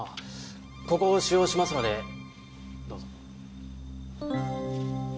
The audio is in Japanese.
ここを使用しますのでどうぞ。